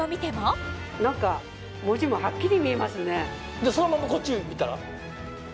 さらにそのままこっち見たら？